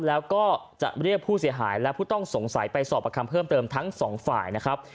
แล้วก็จะเรียกผู้เสียหายและผู้ต้องสงสัยไปสอบประคำเพิ่มเติมทั้งสองฝ่ายนะครับ